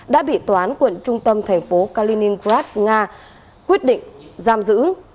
đã bị tòa án quận trung tâm thành phố kaliningrad nga quyết định giam giữ